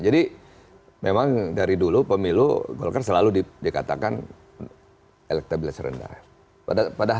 jadi memang dari dulu pemilu golkar selalu dikatakan elektabilitas rendah